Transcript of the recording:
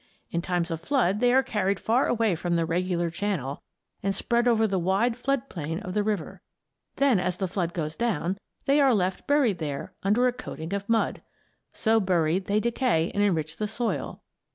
In times of flood they are carried far away from the regular channel and spread over the wide flood plain of the river. Then, as the flood goes down, they are left buried there under a coating of mud. So buried, they decay and enrich the soil.